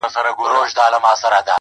او د حصول زياته برخه ئې په مېلمنو خرڅول